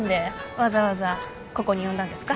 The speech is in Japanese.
わざわざここに呼んだんですか？